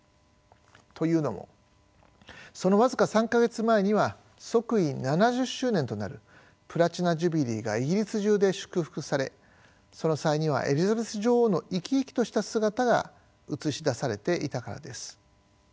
というのもその僅か３か月前には即位７０周年となるプラチナ・ジュビリーがイギリス中で祝福されその際にはエリザベス女王の生き生きとした姿が映し出されていたからです。